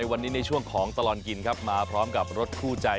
วันนี้ช่วงของตลอดกินมาพร้อมกับรถผู้ใจ